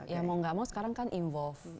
ya mau gak mau sekarang kan terlibat